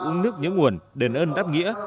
uống nước nhớ nguồn đền ơn đáp nghĩa